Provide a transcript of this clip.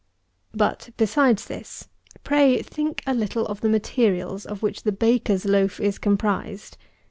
But, besides this, pray think a little of the materials of which the baker's loaf is composed.